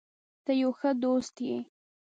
ته یو ښه دوست یې.